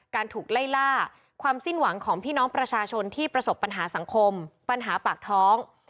ถูกไล่ล่าความสิ้นหวังของพี่น้องประชาชนที่ประสบปัญหาสังคมปัญหาปากท้อง